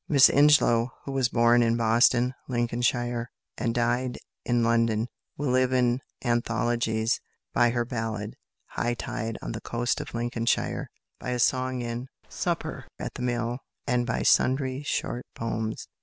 Miss Ingelow, who was born in Boston, Lincolnshire, and died in London, will live in anthologies by her ballad, "High Tide on the Coast of Lincolnshire," by a song in "Supper at the Mill," and by sundry short poems.